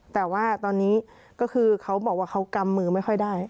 แต่ว่าตอนนี้ก็คือเขาบอกว่าเขากำมือไม่ค่อยได้